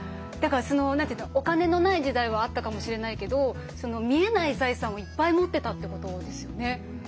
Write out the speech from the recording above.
だからその何て言うのお金のない時代はあったかもしれないけど見えない財産をいっぱい持ってたってことですよね。